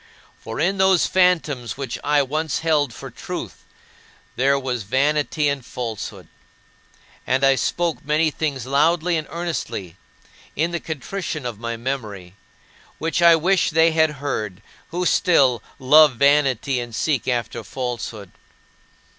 For in those phantoms which I once held for truth there was vanity and falsehood. And I spoke many things loudly and earnestly in the contrition of my memory which I wish they had heard, who still "love vanity and seek after falsehood."